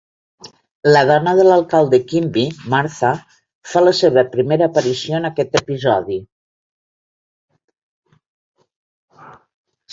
La dona de l'alcalde Quimby, Martha, fa la seva primera aparició en aquest episodi.